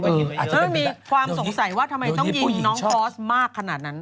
พบการณ์ว่ามีความสงสัยทำไมต้องยิงน้องฟอสตร์มากขนาดนั้น